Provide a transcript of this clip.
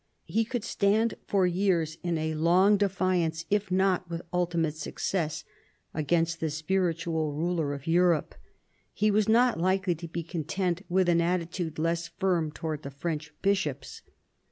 He could stand for years in a long defiance, if not with ultimate success, against the spiritual ruler of Europe. He was not likely to be content with an attitude less firm towards the French bishops.